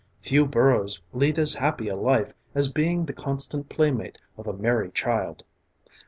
Few burros lead as happy a life as being the constant playmate of a merry child.